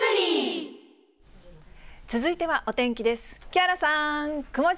続いてはお天気です。